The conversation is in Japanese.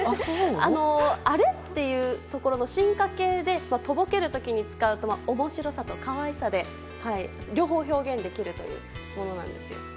あれ？っていうところの進化系で、とぼける時に使うと面白さと可愛さ両方表現できるというものなんですよ。